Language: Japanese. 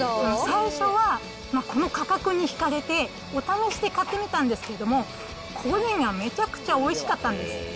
最初はこの価格にひかれて、お試しで買ってみたんですけど、これがめちゃくちゃおいしかったんです。